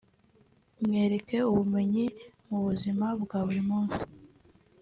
Mwereke ubumenyi mu buzima bwa buri munsi